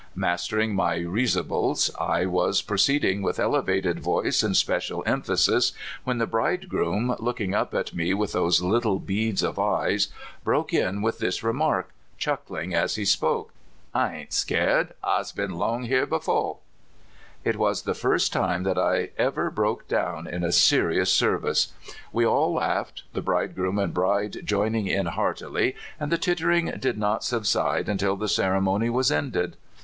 Mastering my risibles, I was pro ceeding with elevated voice and special emphasis, when the bridegroom, looking up at me witli those CAl.ll ORMA WEDDINGS. 3II little beads of eyes, broke in with this remark, chuckling as he spoke: '* 1 ain't scared. I's been '^ono here befo\'' It was the lirst time that I ever broke down in a serious service. We all laughed, the bridegroom and bride joining in heartily, and the tittering did not subside until the ceremony was ended.